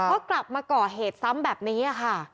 เพราะกลับมาก่อเหตุซ้ำแบบนี้ค่ะ